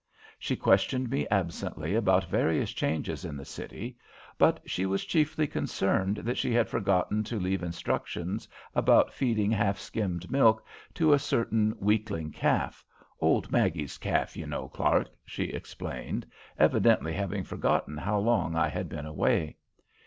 She questioned me absently about various changes in the city, but she was chiefly concerned that she had forgotten to leave instructions about feeding half skimmed milk to a certain weakling calf, "old Maggie's calf, you know, Clark," she explained, evidently having forgotten how long I had been away.